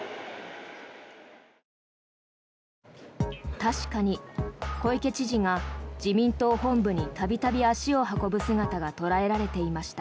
確かに小池知事が自民党本部に度々足を運ぶ姿が捉えられていました。